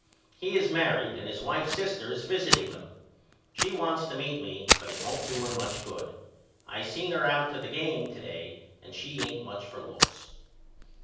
He is married and his wife's sister is visiting them. She wants to meet me but it won't do her much good. I seen her out to the game to day and she ain't much for looks.